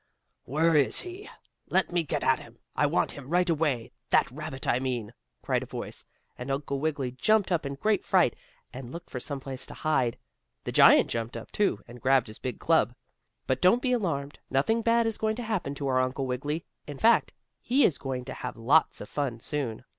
"Where is he? Let me get at him! I want him right away that rabbit I mean!" cried a voice, and Uncle Wiggily jumped up in great fright, and looked for some place to hide. The giant jumped up, too, and grabbed his big club. But don't be alarmed. Nothing bad is going to happen to our Uncle Wiggily in fact he is going to have lots of fun soon.